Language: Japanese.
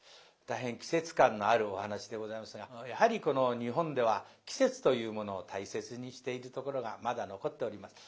大変季節感のあるお噺でございますがやはりこの日本では季節というものを大切にしているところがまだ残っております。